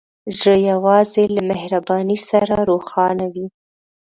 زړه یوازې له مهربانۍ سره روښانه وي.